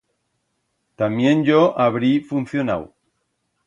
Tamién yo habrí funcionau.